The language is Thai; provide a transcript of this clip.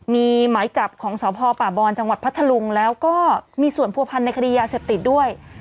มีหมายจับของสพป่าบอนจังหวัดพัทธลุงแล้วก็มีส่วนผัวพันธ์ในคดียาเสพติดด้วย